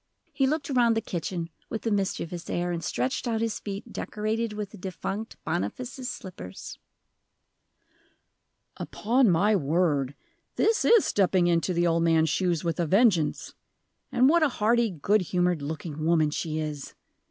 He looked around the kitchen with a mischievous air, and stretched out his feet decorated with the defunct Boniface's slippers. "Upon my word, this is stepping into the old man's shoes with a vengeance! And what a hearty, good humored looking woman she is!